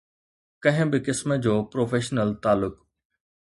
ڪنهن به قسم جو پروفيشنل تعلق